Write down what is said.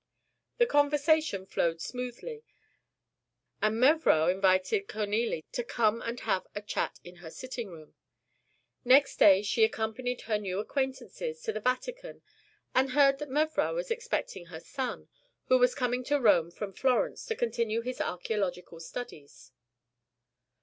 The conversation flowed smoothly; and mevrouw invited Cornélie to come and have a chat in her sitting room. Next day she accompanied her new acquaintances to the Vatican and heard that mevrouw was expecting her son, who was coming to Rome from Florence to continue his archæological studies.